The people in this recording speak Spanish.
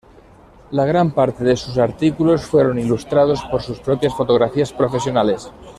La gran parte de sus artículos fueron ilustrados por sus propias fotografías profesionales.